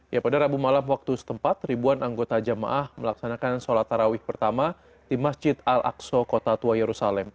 ya pada rabu malam waktu setempat ribuan anggota jamaah melaksanakan sholat tarawih pertama di masjid al aqsa kota tua yerusalem